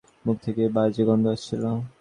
মুখ থেকে বাজে গন্ধ আসছিল!